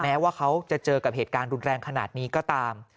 แม้ว่าเขาจะเจอกับเหตุการณ์รุนแรงขนาดนี้ก็ตาม